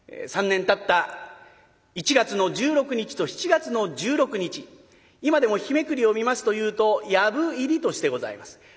３年たった１月の１６日と７月の１６日今でも日めくりを見ますというと「藪入り」としてございます。